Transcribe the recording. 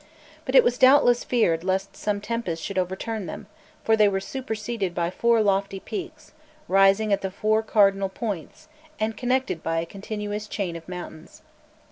But it was doubtless feared lest some tempest should overturn them, for they were superseded by four lofty peaks, rising at the four cardinal points, and connected by a continuous chain of mountains.